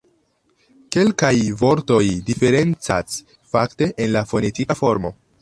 Kelkaj vortoj diferencas fakte en la fonetika formo.